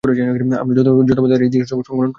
আমার যথাবুদ্ধি তার ইতিহাসটুকু সংকলন করেছি।